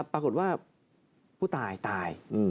ปรากฏว่าผู้ตายตาย